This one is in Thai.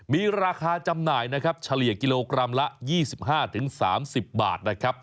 มีราคาจำหน่ายนะครับเฉลี่ยกิโลกรัมละ๒๕๓๐บาทนะครับ